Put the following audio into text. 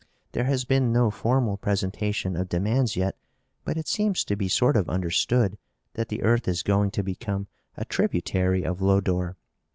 There has been no formal presentation of demands yet, but it seems to be sort of understood that the earth is going to become a tributary of Lodore.